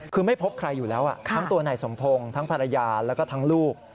คือไม่พบใครอยู่แล้วทั้งตัวนายสมพงศ์ทั้งภรรยาแล้วก็ทั้งลูก